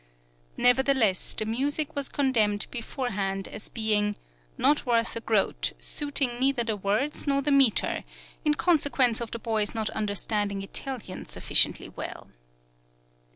Nevertheless, the music was condemned beforehand as being "not worth a groat, suiting neither the words nor the metre, in consequence of the boy's not understanding Italian sufficiently well."